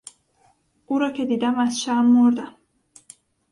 او را که دیدم از شرم مردم!